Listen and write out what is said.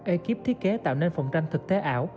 ekip thiết kế tạo nên phòng tranh thực tế ảo